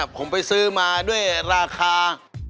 ผมไปซื้อมาด้วยราคา